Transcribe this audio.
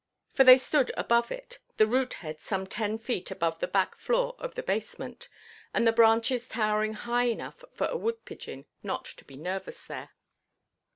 For they stood above it, the root–head some ten feet above the back–floor of the basement, and the branches towering high enough for a wood–pigeon not to be nervous there.